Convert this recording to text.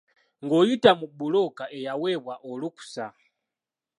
Ng'oyita mu bbulooka eyaweebwa olukusa.